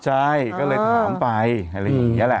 ใช่ก็เลยถามไปอะไรอย่างนี้แหละอืมหรือเปล่า